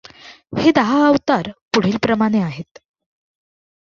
ते दहा अवतार पुढील प्रमाणे आहेत.